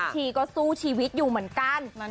ชีก็สู้ชีวิตอยู่เหมือนกัน